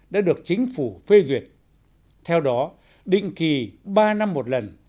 đã được chính phủ phê duyệt theo đó định kỳ ba năm một lần